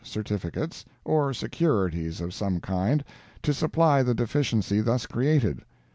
certificates, or securities of some kind, to supply the deficiency thus created.